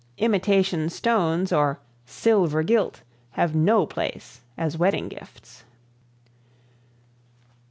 Imitation stones or "silver gilt" have no place as wedding gifts.